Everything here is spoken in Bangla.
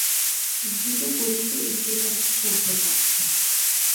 দ্রুত গতিতে এগিয়ে যাচ্ছে সভ্যতা।